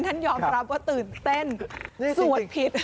ท่านยอมรับว่าตื่นเต้นสวดผิด